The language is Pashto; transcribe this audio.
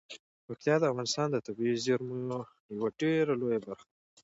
پکتیکا د افغانستان د طبیعي زیرمو یوه ډیره لویه برخه ده.